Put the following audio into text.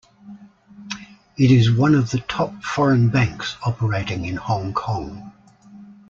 It is one of the top foreign banks operating in Hong Kong.